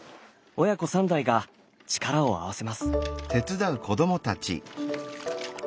親子３代が力を合わせます。